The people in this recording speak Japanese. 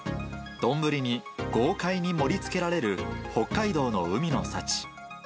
丼に豪快に盛りつけられる、北海道の海の幸。